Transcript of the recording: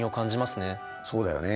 そうだよね。